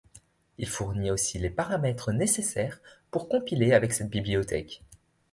Il fournit aussi les paramètres nécessaire pour compiler avec cette bibliothèque.